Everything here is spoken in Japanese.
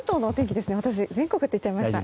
私、全国って言っちゃいました。